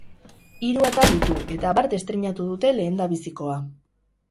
Hiru atal ditu eta bart estreinatu dute lehendabizikoa.